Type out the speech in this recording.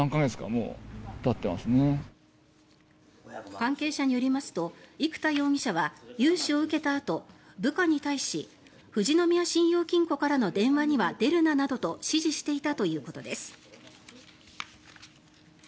関係者によりますと生田容疑者は融資を受けたあと部下に対し富士宮信用金庫からの電話には出るななどと指示していたということです。